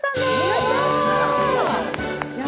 やったー。